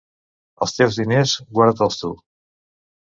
Els teus diners, guarda'ls tu.